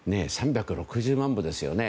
３６０万部ですよね。